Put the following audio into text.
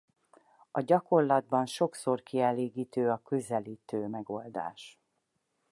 A gyakorlatban sokszor kielégítő a közelítő megoldás.